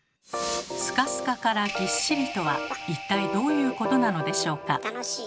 「スカスカ」から「ぎっしり」とは一体どういうことなのでしょうか？